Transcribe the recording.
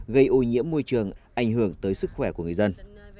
gây ô nhiễm môi trường ảnh hưởng tới sức khỏe của người dân